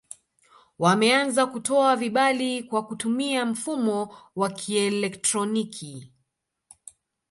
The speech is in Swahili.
Wameanza kutoa vibali kwa kutumia mfumo wa kielektroniki